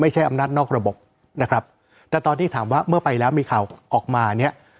อำนาจนอกระบบนะครับแต่ตอนที่ถามว่าเมื่อไปแล้วมีข่าวออกมาเนี่ย